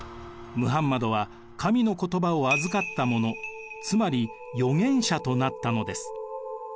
ムハンマドは神の言葉を預かった者つまり預言者となったのです。